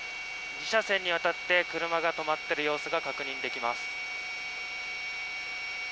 ２車線にわたって車が止まっている様子が確認できます。